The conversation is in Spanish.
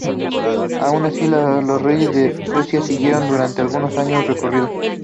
Aun así, los reyes de Suecia siguieron durante algunos años los recorridos.